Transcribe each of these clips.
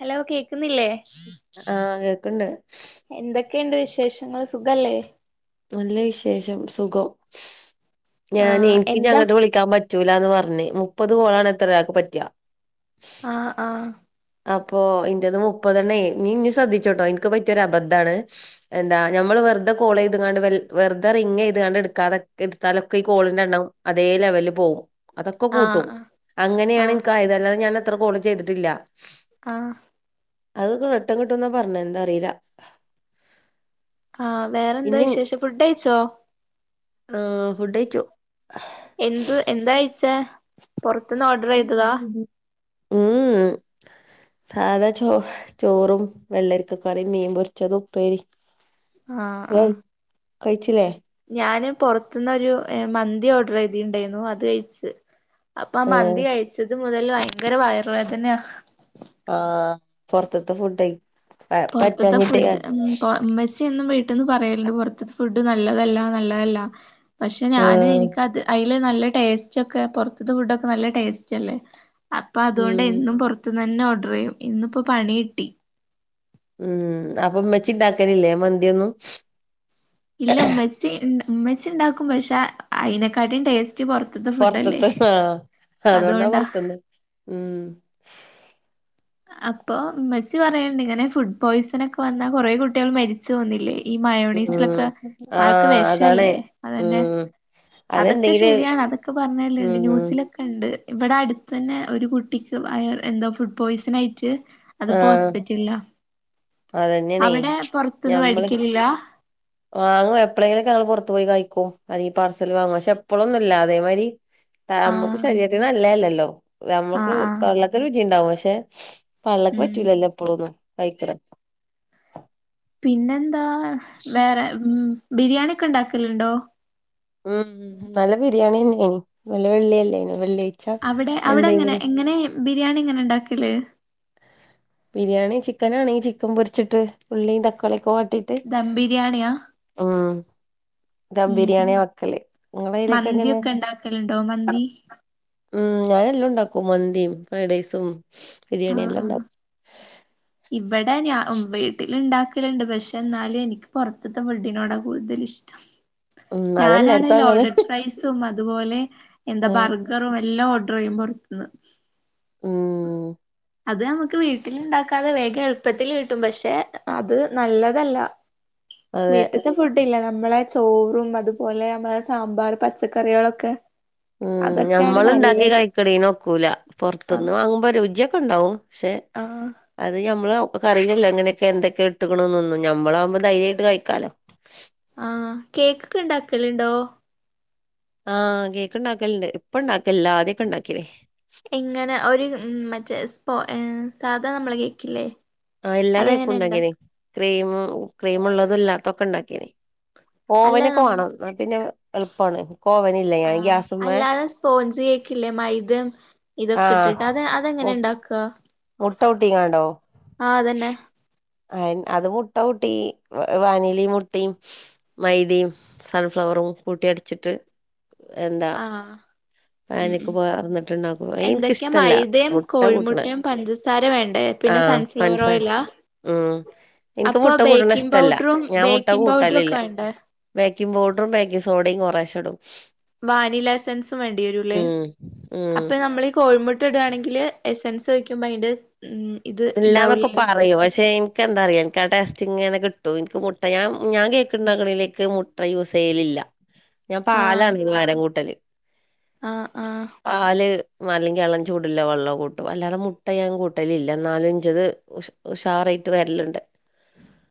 Hello കേക്കുന്നില്ലേ ആ കേക്ക്ണ്ട് ക്കെണ്ട് വിശേഷങ്ങൾ സുഖല്ലേ നല്ല വിശേഷം സുഖം ഞാനെ ആഹ് എന്താ എനിക്കിഞങ്ങട്ട് വിളിക്കാൻ പറ്റൂലാന്ന് പറഞ്ഞ മുപ്പത് കോളാണ് എത്ര ഒരാൾക്ക് പറ്റാ ആ ആ അപ്പൊ ഇന്റത് മുപ്പത എണ്ണേനി ഇനി ശ്രദ്ധിച്ചോട്ടോ എനിക്ക് പറ്റിയൊരു അബദ്ധാണ് എന്താ ഞമ്മൾ വെറുതെ കോള് ചെയ്തക്കാണ്ടെ വെറ്തെ റിങ്ങ്യാത്കാണ്ട് താണ്ട് എടുത്താലൊക്കെ ഈ കോളിന്റെ എണ്ണം അതേ ലെവലിൽ പോകും അതൊക്കെ ആഹ് കൂട്ടും അങ്ങനെയാണ് എനിക്ക്‌ ആയത് അല്ലാതെ ഞാൻ അത്ര കാൾ ചെയ്തിട്ടില്ല ആ അത്ൊട്ടം കിട്ടുംന്നാ പറഞ്ഞ എന്താ അറിയില ആ വേറെന്താ വിശേഷം ഫുഡ് ക ഴിച്ചോ? ആ ഫുഡയ്ച്ചു എന്ത് എന്താകഴിച്ചേ [inaudible] ഉം സാധാ ചോ ചോറും വെള്ളരിക്ക കറിം മീൻ പൊരിച്ചതും ഉപ്പേരിം ആ ആ കയിച്ചില്ലേ ഞാന് പൊറത്തുന്ന് ഒരു മന്തി ഓർഡർ ചെയ്തിണ്ടായിരുന്നു അത് കഴിച് അപ്പൊ ആ ആഹ് മന്തി കയിച്ചത് [inaudible] മുതൽ ഭയങ്കര വയറ് വേദനയാ ആ പൊറത്തത്തെ ഫുഡ അ പറ്റാഞ്ഞിട്ടേ അമ്മച്ചിന്നും വീട്ടിന്ന് പറയലുണ്ട് പൊറത്തത്ത ഫുഡ് നല്ലതല്ല നല്ലതല്ല പക്ഷെ ഞാന് എനിക്കത് നല്ല ടേസ്റ്റ് ഒക്കെ പൊറത്തത്ത ഫുഡൊക്കെ നല്ല ടേസ്റ്റ് അല്ലേ അപ്പ അതുകൊണ്ട് ഉം എന്നും [inaudible] ന്ന് തന്നെ ഓർഡർ ചെയ്യും ഇന്നിപ്പോ പണി കിട്ടി ഉം അപ്പൊമ്മച്ചിണ്ടാക്കലില്ലേ മന്തിയൊന്നും ഇല്ല ഉമ്മച്ചി ണ്ടാക്കും പക്ഷെ അയിനെക്കാട്ടിം ടേസ്റ്റ് പുറത്തത്തെ ഫുഡല്ലേ പൊറത്തത്ത് ആ അതൊണ്ടാ അതുകൊണ്ടാ പൊറത്തുന്ന് ഉം അപ്പൊ മെസി പറയല്ണ്ട് ഇങ്ങനെ ഫുഡ് പോയ്സൺ ഒക്കെ വന്നാ കുറേ കുട്ടികൾ മരിച്ചു പോന്നില്ലേ ഈ ഉം മയോണീസിലൊക്കെ പാക്ക ആഹ് അതാണേ വെഷല്ലേ അതന്നെ ഉം അതൊക്കെ അതെന്തെങ്കില് ശരിയാണ് അതൊക്കെ പറഞ്ഞലണ്ട് ഉം ന്യൂസിലൊക്കെ ഉണ്ട് ഇവിടെ അടുത്ത് തന്നെ ഒരു കുട്ടിക്ക് എന്തോ പോയ്സൺ ആയിട്ട് ആ അതിപ്പോ ഹോസ്പിറ്റലിലാ അതന്നെയാണേ അവിടെ പുറത്തുന്ന് ഞമ്മള് മേടിക്കലില്ല വാങ്ങും എപ്പഴെലക്കെ ഞമ്മൾ പുറത്തു പോയി കഴി അല്ലെ പാർസല് വാങ്ങു പക്ഷെ എപ്പോളൊന്നും ഇല്ല അതേമാതിരി നമ്മൾക്ക് ആഹ് ശരീരത്തിന് നല്ലയല്ലല്ലോ ഹലോ ആഹ് നമ്മുക്ക് ആഹ് വള്ളക്ക് രുചിണ്ടാവും പക്ഷേ [inaudible] പള്ളക്ക് ഉം പറ്റൂലല്ലൊ എപ്പോളുതൊ [unintelligible] പിന്നെന്താ വേറെ ഉം ബിരിയാണി ഒക്കെ ഇണ്ടാക്കല്ണ്ടോ ഉം നല്ല ബിരിയാണ്യ നേനി ന്നലെ വെള്ളി അല്ലേനു വെള്ളി അവിടെ അവിടെ എങ്ങനെ എങ്ങനെ ബിരിയാണി എങ്ങനെ ഇണ്ടാക്കല് ബിരിയാണി ചിക്കനാണെങ്കിൽ ചിക്കൻ പൊരിച്ചിട്ട് ഉള്ളീം തക്കാളി വാട്ട് ട്ടിട്ട് ദം ബിരിയാണിയാ ഉം ദം ഉം ഉം ബിരിയാണിയ വെക്കല് നിങ്ങള യ്ലൊക്കെ എങ്ങനെ മന്തിയൊക്കെ ഉണ്ടാക്കലുണ്ടോ മന്തി ഉം ഞാനെല്ലൊം ഇണ്ടാക്കും മന്തിയും ഫ്രൈവ്ഡേയ്സും ബിരിയാണി എല്ലാം ഇണ്ടാവും ഇവടെ വീട്ടിൽ ഇണ്ടാക്കലുണ്ട് പക്ഷെ എന്നാലും എനിക്ക് പുറത്ത്ത്തെ ഫുഡ്ഡിനോട കൂടുതൽ ഇഷ്ടം ഉം അതെല്ലാർക്കും ഞാനാണേല് അങ്ങനെ ലോഡഡ് ഫ്രൈസും ഇതുപോലെ എന്താ ആ ബർഗറും എല്ലാ ഓർഡർ യ്യും പൊറ്ത്തിന്ന് ഉം അത് നമുക്ക് വീട്ടിലുണ്ടാക്ക ക്കദെ വേഗം എളുപ്പത്തിൽ കിട്ടും പക്ഷെ അത് നല്ലതല്ല അതെ വീട്ടിത്തെ ഫുഡ് ല്ല നമ്മളെ ചോറും അതുപോലെ നമ്മളെ സാമ്പാർ പച്ചക്കറികളൊക്കെ അതൊക്കെയാണ് ഉംഞമ്മള് ഇണ്ടാക്കി നല്ലത് കൈക്ക്ണെന് ഒക്കൂല ആഹ് പൊറ്ത്ത്ന്ന് വാങ്ങുമ്പോ രുചി ക്കെ ഇണ്ടാവും ക്ഷെ അത് നമ്മള്യം അറിണില എങ്ങനെക്കെ എന്തൊക്കെ ഇട്ട് ക്ക്ണുന്ന് നമ്മളാവുമ്പോ ധൈര്യാ യിട്ട് കഴിക്കാലോ കേക്ക് ഇണ്ടാക്കലുണ്ടോ ആഹ് കേക്ണ്ടാക്കല്ണ്ട് ഇപ്പ ഇണ്ടാക്കലില്ല ആദ്യൊക്കെ ഇണ്ടാക്കിനി ഇങ്ങനെ ഒരു മറ്റേ സ്പോ സാധന നമ്മള കേക്കില്ലേ ആ എല്ലാ കേക്കും അതെങ്ങനെ ഇണ്ടാക്കിനി ഉണ്ടാക്ക ക്രീമും ക്രീമ് ഉള്ളതുംല്ലാത്തൊക്കെ ഇണ്ടാക്കീനി അല്ല ഓവനൊക്കെ നം വാണം ന്ന പിന്നെ എളുപ്പാണ് ഓവനില്ല ഞാൻ ആഹ് ഗ്യാസുമ്മേ അല്ലാതെ സ്പോഞ്ച് കേക്കില്ലേ മൈദംഇതൊക്കെ ആഹ് ഇട്ടിട്ട് അത് അതെങ്ങനെ മു ഇണ്ടാക്ക മുട്ട കൂട്ടിക്കണ്ടോ? അത് മുട്ട കൂട്ടി വാനിലിം മുട്ടയും മൈദയും സൺഫ്ലവറും കൂട്ടി അടിച്ചിട്ട് എന്താ ആഹ ഉം പാനിക്ക് ഉം പാർന്നിട്ടുണ്ടാക്കും എന്തൊക്കെയാ എനിക്കിഷ്ടല്ല മൈദയും മുട്ട കൂട്ടണ കോഴിമുട്ടയും പഞ്ചസാര വേണ്ടേ പിന്നെ ആഹ് സൺഫ്ലവർ പൻസാര ഓയിലാ ഉം എനിക്ക് അപ്പൊ മുട്ട കൂട്ടണ ബേക്കിംഗ് ഇഷ്ടമല്ല പൗഡറും ഞാൻ മുട്ട ബേക്കിംഗ് പൗഡറും ഒക്കെ കൂട്ടലില്ല വേണ്ടേ ബേക്കിംഗ പൗഡറും ബേക്കിങ് സോഡ കുറേച്ചടും വാനിലാ എസൻസും വേണ്ടി വരൂല്ലേ ഉം ഉം അപ്പൊ നമ്മളീ കോഴിമു.. ട്ട ഇടുകയാണെങ്കിൽ എസെൻസ് ഒയ്ക്കുമ്പോൾ അതിൻ്റെ ഇല്ലാന്നൊക്കെ പറയും പക്ഷെ എനക്ക് എന്താറിയ എനിക്ക് ആ ടെസ്റ്റങ്ങനെിട്ട ട്ടോ എനിക്ക് മുട്ട ഞാൻ ഞാൻ കേക്ക്ണ്ടകണിലേക്ക് മുട്ട യൂസ് ചെയ്യലില്ല. ഞാ പാലാണ് ഇതിനു പകരം കൂട്ടല് ആ ആ വ അല്ലെങ്കി എളം ചൂടുള്ള വെള്ളം കൂട്ടും അല്ലാതെ മുട്ട ഞാൻ കൂട്ടലില്ല ഇല്ലെ നാലഞ്ചത് ഉഷ് ഉഷാറായിട്ട് വരലുണ്ട്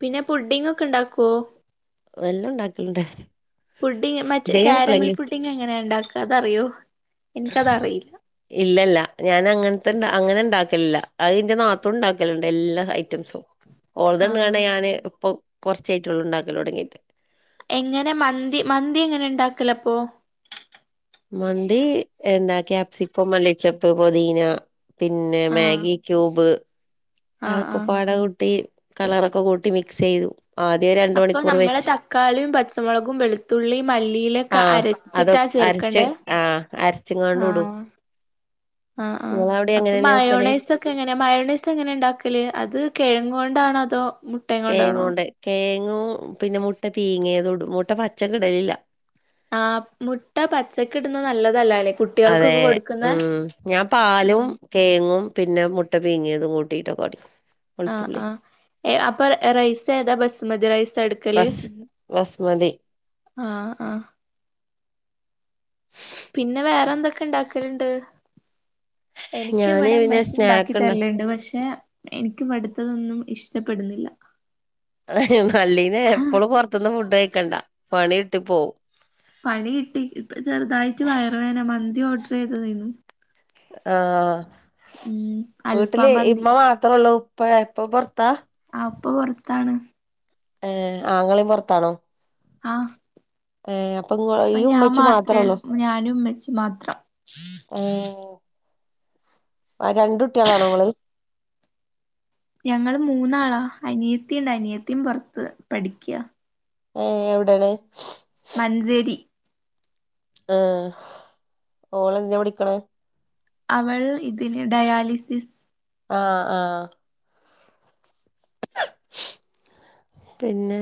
പിന്നെ പുഡിംഗ് ഒക്കെ ഇണ്ടാക്കോ വല്ലോം ഉണ്ടാക്കലുണ്ടാ പുഡിംഗ് മറ്റേ ദേ കാരമൽ എപ്പലേലും പുഡിംഗ് എങ്ങനെയാ ഇണ്ടാക്കാ അതറിയോ എനിക്കതറിയില്ല ഇല്ലല്ല ഞാൻ അങ്ങനത്തെണ്ടാ അങ്ങനെണ്ടാ ഇല്ല അതിന്റെ നാത്തുണ്ടാക്കലുണ്ട് എല്ലാ ഹൈ റ്റംസും ആഹ് ഓള്തന്നെയാണ് ഞാന് ഇപ്പം കൊറച്ചേയായിട്ടുള്ളുണ്ടാക്കല് തൊടങ്ങിട്ട് എങ്ങനെ മന്തി മന്തി എങ്ങനെ ഇണ്ടാക്കലപ്പൊ മന്തി എന്താ ക്യാപ്സിക്കം മല്ലി ചപ്പ് പൊതീന പിന്നെ ആഹ് മാഗി ക്യൂബ് ആഹ് ആഹ് അതക്കപ്പാടെ കൂട്ടി കളറൊക്കെ കൂട്ടി മിക്സെയ്തു അപ്പൊ നമ്മള തക്കാളീം പച്ചമൊളകും വെളുത്തുള്ളീം മല്ലിയിലൊക്കെ ആഹ് അത് അരച്ചിട്ടാ അരച്ച് ചേർക്കണ്ടേ ആഹ് അരച്ചുംങ്ങാണ്ട് ഇടും ആഹ് ആഹ് ആഹ് നിങ്ങളവിടെ അപ്പൊ എങ്ങനെന്നെ വെക്കല് മയോണൈസൊക്കെങ്ങനെയാ മയോണൈസ് എങ്ങനെണ്ടാക്ക ത്തില് അത് കെഴങ്ങ് കൊണ്ടാണോ അതോ മുട്ടയും കൊണ്ടാണോ കേങ്ങോണ്ട് കേങ്ങു പിന്നെ മുട്ട പീങ്ങിയതുടും മുട്ട പച്ചെക്ക്ടെലില്ല. ആ മുട്ട പച്ചക്കിടുന്നത് നല്ലതല്ല അല്ലെ അതെ ഉം ഞാൻ പാലും കേങ്ങും പിന്നെ മുട്ട പീങ്ങിയതും കൂട്ടിട്ടൊക്കടിക്കും ആ ആ എ അപ്പൊ റൈസ് ഏതാ ബസുമതി റൈസാ എടുക്കല് ബസ് ബസ്മതി ആ ആ ക്കെണ്ടാക്കലിണ്ട് എനിക്ക് ഞാന് ഇവിടെ പിന്നെ മ്മച്ചി ഉണ്ടാക്കി സ്നാക്ക് ഇണ്ട തരലുണ്ട് പക്ഷെ എനിക്കും മടു തൊന്നും ഇഷ്ടപ്പെടുന്നില്ല അത നല്ലീനെ എപ്പളും പൊറത്ത്ന്ന് ഫുഡ് കഴിക്കണ്ട പണികിട്ടി പോവും പണി കിട്ടി ഇപ്പ ചെറുതായിട്ട് വയറു വന മന്തി ഓർഡറെയ്തതായിരുന്നു ആ അൽഫാം വീട്ടില് മന്തി ഇമ്മ മാത്രുള്ളൂ ഇപ്പേ ഇപ്പൊ പൊർത്താ ഇപ്പ പൊറത്താണ് ഏ ആങ്ങളെയും പൊറത്താണോ ആ ഏഹ് ഇപ്പം ഞാൻ മാത്രേ ഞാനും ഉമ്മച്ചിംമാത്രം ആ രണ്ടുട്ടിയോളാണോ ഇങ്ങള് ഞങ്ങള് മൂന്നാളാ അനിയത്തിണ്ട് അനിയത്തിം പുറത്ത് പഠിക്യ ഏ എവിടെണ് മഞ്ചേരി ഏഹ് ഓ ഓള് എന്തിന പഠിക്ക്ണ അവൾ ഇതിന് ഡയാലിസിസ് ആഹ് ആഹ് പിന്നെ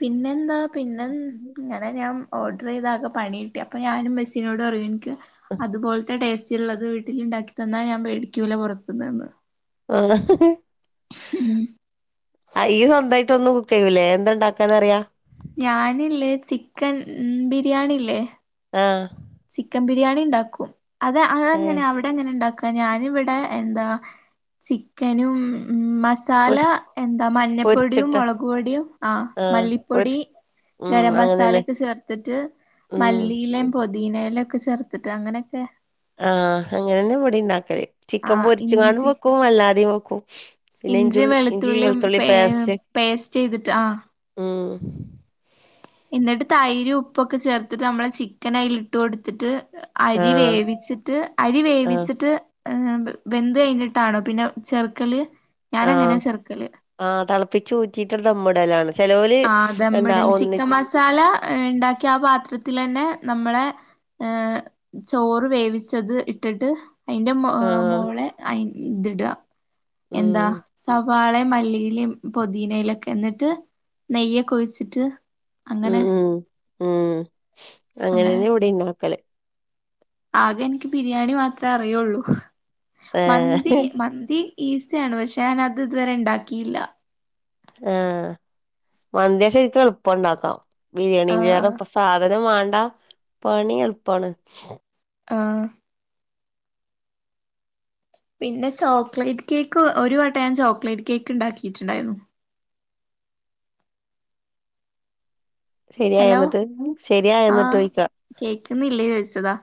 പിന്നെന്താ പിന്നെ ഇങ്ങനെ ഞാൻ ഓർഡർ ചെയ്താകെ പണി കിട്ടി അപ്പോ ഞാനും ഇമ്മച്ചിനോട് പറിയും ഇൻക്ക് അതുപോലത്തെ ടേസ് റ്റ്ള്ളത് വീട്ടിൽ ഇണ്ടാക്കിതന്നാ ഞാൻ വേടിക്കൂല പുറത്തുന്ന് ന്ന് ആഹ് ഉം ആഇയ്യ് സ്വന്തായിട്ട് ഒന്നും കുക്ക് ചെയ്യൂല്ലേ എന്ത ഉണ്ടാക്കാനറിയാ ഞാനില്ലേ ചിക്കൻ ബിരിയാണി ഇല്ലേ ആ ചിക്കൻ ബിരിയാണി ഇണ്ടാക്കും അതെ അങ്ങനെ ഏ ങ്ങനെ അവിടെ എങ്ങനെ ഉണ്ടാക് ക്ക ഞാനിവിടെ എന്താ ചിക്കനുംമ സാല പൊരി എന്താ മഞ്ഞപ്പൊടിയും പൊരിച്ചിട്ട മുളക് പൊടിയും ആ മല്ലിപ്പൊടി ഉം ഗരം അങ്ങനെന്നെ മസാലൊക്കെ ചേർത്തിട്ട് ഉം മല്ലിയിലേം പൊ പൊദീനേല ഒക്കെ ചേർത്തിട്ട് അങ്ങനെക്കെ ആ അങ്ങനെന്നെ ഇവിടിം ഇണ്ടാക്കല് ചിക്കൻ പൊരിച്ച്കാണ്ടും വെക്കും അൽ ല്ലാതിം വെക്കും പിന്നെ ഇഞ്ചി ഇഞ്ചിയും ഇഞ്ചി വെളുത്തുള്ളിയും വെളുത്തുള്ളി പേ പേസ്റ്റ് പേസ്റ്റയ്തിട്ട് ആ ഉം ഇന്നിട്ട് തൈര് ഉപ്പൊക്കെ ചേർത്തിട്ട് നമ്മളെ ചിക്കൻ അയില്ഇട്ട് കൊടുത്തിട്ട് ആ അരി വേവിച്ചിട്ട് അരി ആ വേവിച്ചിട്ട് ബെന്ത് കഴിഞ്ഞിട്ടാണോ പിന്നെ ചെർക്കല് ആ ആ തളപ്പ പ്പിചൂറ്റിയിട്ടുള്ള ഉമ്മടലാണ് ആദമ്മിടൽ ചിക്കൻ മസാല ഇണ്ടാക്കിയ ആ പാത്രത്തിലെ തന്നെ നമ്മള് ഏ ചോറ് വേവിച്ചത് ഇട്ടിട്ട് അയിന്റെ ആഹ് മോളെ അയി ഇത് ഇട ഉം എന്താ സവാളെ മല്ലിയില പൊതിനയലൊക്കെ എന്നിട്ട് നെയ്യോക്കെഴിച്ചിട്ട് ഉം ഉം ആ അങ്ങനെ അങ്ങനെന്നെ ഇവിടെ ഉണ്ടാക്കല് ആകെ എനിക്ക് ബിരിയാണി മാത്രമേ അറിയുള്ളൂ ഏഹ് മന്തി മന്തി ഈസിയാണ് പക്ഷെ ഞാൻ അത് ഇതുവരെ ഇണ്ടാക്കിയില്ല ആ മന്തി ശരിക്കും എളുപ്പം ഒണ്ടാക്കാം ബിരിയാണിന്റെ ഏറെ ആഹ് സാധനം വ ട പണി എളുപ്പവാണ് ആ പിന്നെ ചോക്ലേറ്റ് കേക്ക് ഒരു വട്ട ഞാൻ ചോക്ലേറ്റ് കേക്ക് ഉണ്ടാക്കിട്ടുണ്ടായിരുന്നു ശരിയായി ഹലോ എന്നിട്ട് ശരിയായ എന്നിട്ട് ആഹ് ചോയിക്ക കേക്കുന്നില്ലേ ചോദിച്ചതാ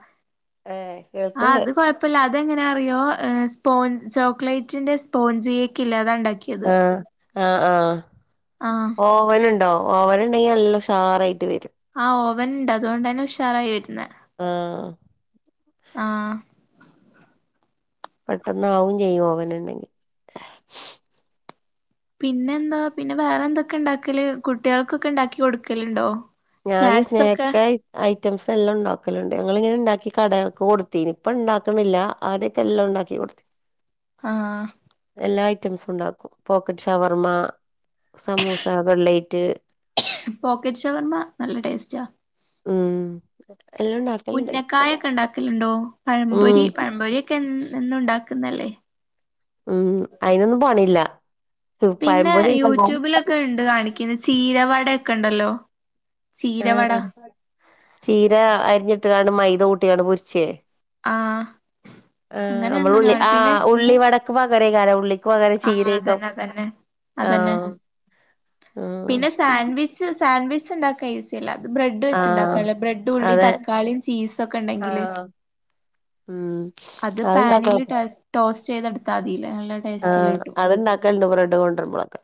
ഏർ കേൾക്കണ്ട് അതെങ്ങനെ അറിയോ്പോ ചോക്ലേറ്റിന്റെ സ്പോഞ്ച് കേക്കില്ലേ അതാ ഇണ്ടാക്കിയത് ആ ആ ആ ആഹ് ഓവൻ ഉണ്ടോ ഓവൻ ഉണ്ടെങ്കിൽ എല്ലാം ഉഷാറായിട്ട് വരും ആ ഓവൻ ഉണ്ട് അതുകൊണ്ട്ന്നെ ഉഷാറായി കേറ്റുന്നേ ആ ആ പെട്ടെന്ന് ആവും ചെയ്യും ഓവനുണ്ടെങ്കിൽ പിന്നെ എന്താ പിന്നെ വേറെ എന്തൊക്കെ ഉണ്ടാക്കല് കുട്ടികൾക്കൊക്കെ ഉണ്ടാക്കി കൊടുക്കലുണ്ടോ ഞാന് സ്നാക്സ് ഒക്കെ സ്നക്ക് ഐറ്റംസ് എല്ലാം ഒണ്ടാവും ക്കലുണ്ട് ഞങ്ങിങ്ങനെ ഉണ്ടാക്കി കടകൾക്ക് കൊടുത്തീന് ഇപ്പം ഇണ്ടാക്കണില്ല ആദ്യക്കെ എല്ലാം ഉണ്ടാക്കി കൊടുത്തി ആ ഐറ്റംസ് ഉണ്ടാക്കും പോക്കറ്റ് ഷവർമ്മ, സമൂസ, കലേറ്റ് പോക്കറ്റ് വർമ്മ നല്ല ടേസ്റ്റാ ഉം എല്ലാം ഉണ്ടാക്കലുണ്ട് ഇപ്പ ഉണ്ടാ ഉന്നക്കായൊക്കെ ഒണ്ടാക്കലുണ്ടോ പഴപൊരി ഉം പഴമ്പൊരി ഒക്കെ എന്നും ഉണ്ട ഇന്നല്ലേ ഉം അയിനൊന്നും പണില്ല പിന്നെ യൂട്യൂബിലൊക്കെ ഇണ്ട് കാണിക്കുന്ന ചീരവ ടെ ക്കെ ഒണ്ടല്ലോ ആ ചീര അരിഞ്ഞിട്ട് ക മൈത കൂട്ടിയാങ്ങട്ട് പൊരിച്ചേ ആഹ് ആ അങ്ങനെ നമ്മള് എങ്ങനെയോ ഉള്ളി ആണ് പിന്നെ ആഹ് ഉള്ളിവട [unintelligible] ഉള്ളി പകരം ആഹ് ചീരേക്കും അതന്നെ അതന്നെ അതന്നെ ആഹ് ആഹ് പിന്നെ സാൻവിച്ച് സാൻവി ച്ച് ണ്ടാക്കാൻ ഈസിയല്ലേ ത് ബ്രെഡ് ആഹ് വെച്ചുണ്ടാക്കല്ലേ ബ്രെഡ് ഉള്ളി അതെ തക്കാളിയും ചീസൊക്കെ ഉണ്ടെങ്കില് ആഹ് ഉം അത് അത്ണ്ടാക്ക പാനില് ട്ടൊ ചെയ്തെടുത്താതിലേ [unintelligible] ആഹ് അത്ണ്ടാക്കലുണ്ട് ബ്രെഡ്‌ കൊണ്ടരുമ്പോളൊക്ക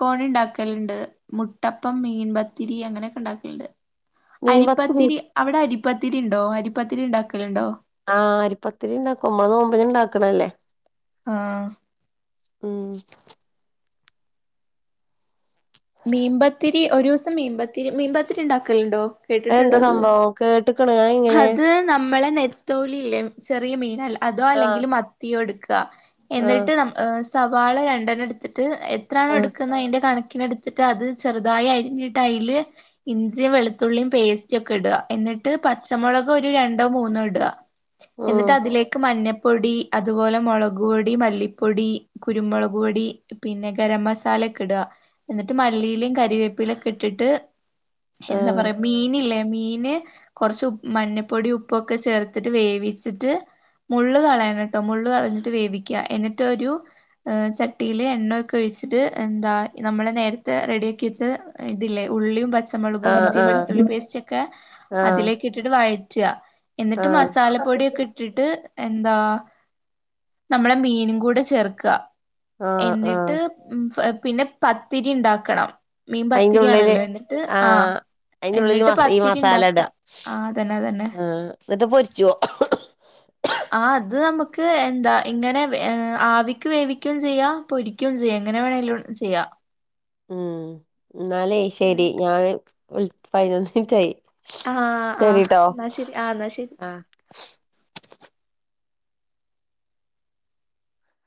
കോൺ ഉണ്ടാക്കലുണ്ട് മുട്ടപ്പം മീൻപത്തിരി അങ്ങനെയൊക്കെ ഉണ്ടാക്കലുണ്ട് മീൻപത്ത് അരിപ്പത്തിരി ഇണ്ടോ അരിപ്പത്തിരി ഇണ്ടാക്കലുണ്ടോ ആ അരി പത്തിരി ഇണ്ടാക്കും നമ്മള് നോമ്പിതിന് ഇണ്ടാക്കണതല്ലേ ആഹ് ഉം ഈ ഒരു ദിവസം മീൻ പത്തിരി മീൻ പ്പത്തിരി ഇണ്ടാക്കലുണ്ടോ അയെന്താ കേട്ടിട്ടുണ്ടോ അത് സംബവം കേട്ട ട്ട് ക്കണ് അയെങ്ങനെ മ്മളെ നെത്തോലിയിലെ ചെറിയ മീനല്ല അതോ ആഹ് അല്ലെങ്കിൽ മത്തിയോ എടു ക്കാ ആഹ് എന്നിട്ട് നമ്മ ആഹ് സവാ വാള രണ്ടെണ്ണം എടുത്ത് ട്ട് എത്രാണോ ആഹ് എടുക്കുന്നെ അയിന്റെ കണക്കിനെ ത്തിട്ട് അത് ചെറുതായി അരിഞ്ഞിട്ട് അയില് ഇഞ്ചി വെളുത്തുള്ളിയും പേസ്റ്റും ഒക്കെ ഇടുക എന്നിട്ട് പ ച്ചമോളക് ഒരു രണ്ടോ മൂന്നോ ഇട്ക ഉം എന്നിട്ട് അതിലേക്ക് മഞ്ഞ പ്പൊടി അതുപോലെ മോളകുപ്പൊടി മല്ലിപ്പൊടി കുരുമോളക്പ്പൊടി പിന്നെ ഗരം മസാല ഒക്കെ ഇടുക എന്നിട്ട് മല്ലിയിലും കരിവേപ്പിലൊക്കെ ഇട്ടിട്ട് എന്താ ആഹ് പറയാ മീനില്ലേ മീന് കൊറച്ച് ഉപ്പ് മഞ്ഞപ്പൊടിയും ഉപ്പൊക്കെ ചേർത്തിട്ട് വേവിച്ചിട്ട് മുള്ള് കളയണം ട്ടോ മുള്ള് കളഞ്ഞിട്ട് വേവിക്കുക എന്നിട്ടൊരു ഏഹ് ചട്ടില് എണ്ണ ഒക്കെ ഒഴിച്ചിട്ട് എന്താ നമ്മള് നേരത്തെ റെഡിയ ആക്കി വെച്ച ഇതില്ലേ ഉള്ളിയും പച്ച ച്ചമോളകും ഇഞ്ചി ആഹ് വെള്ളുത്തുള്ളി പേസ്റ്റ് ഒക്കെ ആഹ് അതിലേക്ക് വഴറ്റ്ക ആഹ് എന്നിട്ട് ആഹ് മസാലപ്പൊടിയൊക്കെ ഇട്ടിട്ട് എന്താ നമ്മളെ മീനും കൂടെ ചേർക്കാ. ആഹ് ആഹ് എന്നിട്ട് ഫെബ് പിന്നെ പത്തിരി ണ്ടാക്കണം. മീൻ അയിന്റെ ഉള്ളില് പത്തിരിയാണല്ലോ എന്നിട്ട് ആഹ് എന്നിട്ട് പത്തിരി ഉണ്ടാക്കാ. ആ എന്നിട്ട് പൊരിച്ചുവോ ക്ക് എന്താ ഇങ്ങനെ ആവിക്ക് വേവിക്കുകയും ചെയ്യാ പൊരിക്കുകയും ചെയ്യ എങ്ങനെ വേണെലും ചെയ്യാ ഉം എന്നാലേ ശരി എന്നിട്ട് ഞാന് പതിനൊന്ന് മിനിറ്റ് ആയി ആഹ് ആഹ് ന്നാ ശെരി ആ എന്നാ ശെരി ആ